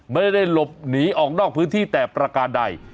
ไม่ได้หลบหนีออกนอกพื้นที่แต่ประการใด